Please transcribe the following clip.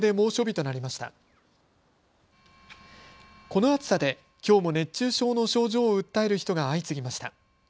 この暑さできょうも熱中症の症状を訴える人が相次ぎました。